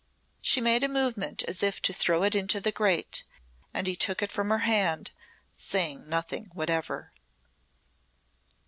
She made a movement as if to throw it into the grate and he took it from her hand, saying nothing whatever.